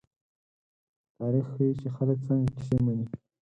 تاریخ ښيي، چې خلک څنګه کیسې مني.